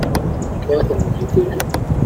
¿Qué hacen en el cine?